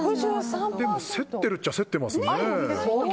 でもせってるっちゃせってますね。